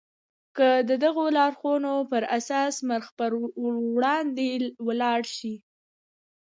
که د دغو لارښوونو پر اساس مخ پر وړاندې ولاړ شئ.